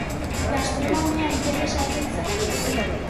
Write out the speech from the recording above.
Gastronomia interesatzen zaio.